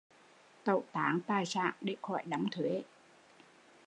Tẩu tán tài sản đễ khỏi đóng thuế